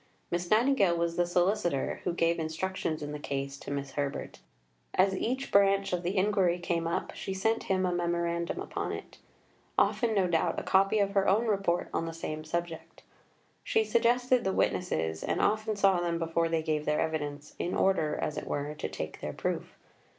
Miss Nightingale was the solicitor who gave instructions in the case to Mr. Herbert. As each branch of the inquiry came up, she sent him a memorandum upon it; often, no doubt, a copy of her own Report on the same subject. She suggested the witnesses, and often saw them before they gave their evidence, in order, as it were, to take their proof.